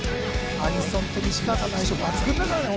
アニソンと西川さんの相性は抜群だからね。